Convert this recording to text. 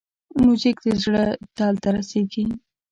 موزیک د زړه تل ته رسېږي.